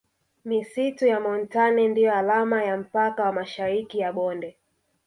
Misitu ya montane ndiyo alama ya mpaka wa Mashariki ya bonde